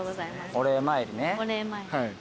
お礼参りね。